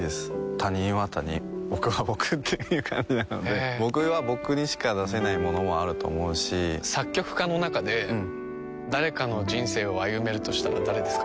他人は他人僕は僕という感じなので僕は僕にしか出せないものもあると思うし作曲家の中で誰かの人生を歩めるとしたら誰ですか？